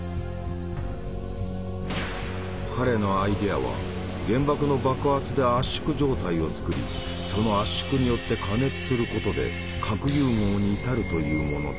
彼のアイデアは原爆の爆発で圧縮状態を作りその圧縮によって加熱することで核融合に至るというものだった。